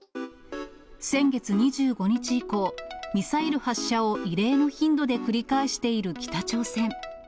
先月２５日以降、ミサイル発射を異例の頻度で繰り返している北朝鮮。